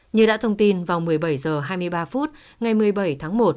như đã thông tin vào một mươi bảy h hai mươi ba phút ngày một mươi bảy tháng một